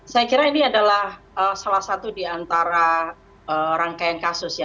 saya kira ini adalah salah satu di antara rangkaian kasus ya